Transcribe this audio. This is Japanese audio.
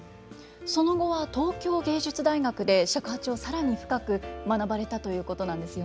その後は東京藝術大学で尺八を更に深く学ばれたということなんですよね。